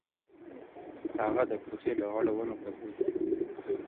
هغه د کوڅې لغړو ونو ته ګوري.